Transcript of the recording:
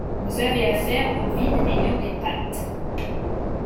Vous avez affaire au vide ayant des pattes.